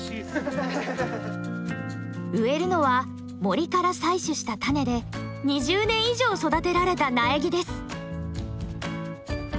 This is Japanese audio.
植えるのは森から採取した種で２０年以上育てられた苗木です。